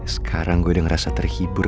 sekarang gue udah ngerasa terhibur